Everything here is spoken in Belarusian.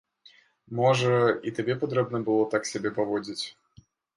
Можа, і табе патрэбна было так сябе паводзіць?